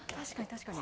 確かに。